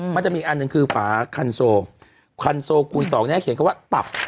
มันจะมีอีกอันหนึ่งคือฝาคันโซคันโซกูล๒นี้ให้เขียนว่าตับ